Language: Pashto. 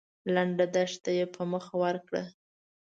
لنډه دښته يې په مخه ورکړه.